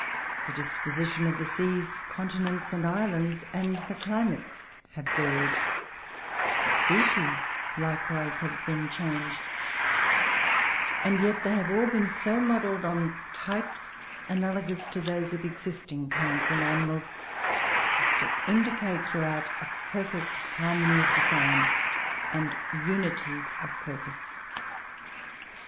The disposition of the seas, continents and islands, and the climates, have varied; the species likewise have been changed; and yet they have all been so modelled, on types analogous to those of existing plants and animals, as to indicate, throughout, a perfect harmony of design and unity of purpose.